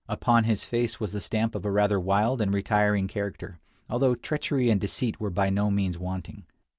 Upon his face was the stamp of a rather wild and retiring character, although treachery and deceit were by no means wanting.